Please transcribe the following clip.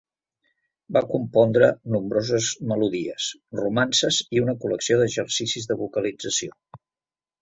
Va compondre nombroses melodies, romances i una col·lecció d'exercicis de vocalització.